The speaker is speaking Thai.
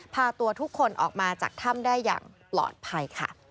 พาตัวทุกคนออกมาจากถ้ำได้อย่างปลอดภัยค่ะ